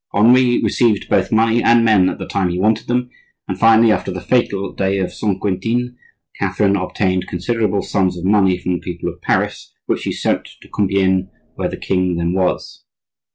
Henri received both money and men at the time he wanted them; and finally, after the fatal day of Saint Quentin, Catherine obtained considerable sums of money from the people of Paris, which she sent to Compiegne, where the king then was.